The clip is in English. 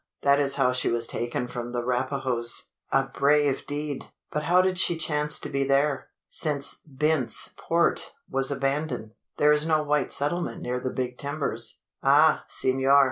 That is how she was taken from the Rapahoes." "A brave deed! But how did she chance to be there? Since Bent's Port was abandoned, there is no white settlement near the Big Timbers." "Ah! senor!